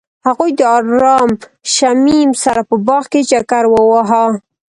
هغوی د آرام شمیم سره په باغ کې چکر وواهه.